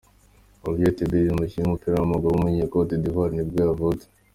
Olivier Tébily, umukinnyi w’umupira w’amaguru w’umunyakote d’ivoire nibwo yavutse.